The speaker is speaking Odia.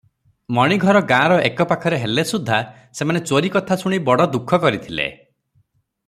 ମଣିଘର ଗାଁର ଏକପାଖରେ ହେଲେ ସୁଦ୍ଧା ସେମାନେ ଚୋରି କଥା ଶୁଣି ବଡ଼ ଦୁଃଖ କରିଥିଲେ ।